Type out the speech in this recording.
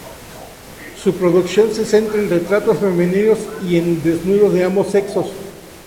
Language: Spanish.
Su producción se centra en retratos femeninos y en desnudos de ambos sexos.